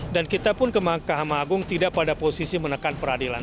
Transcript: dan kita pun ke mahkamah agung tidak pada posisi menekan peradilan